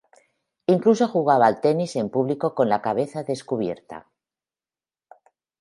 Incluso jugaba al tenis en público con la cabeza descubierta.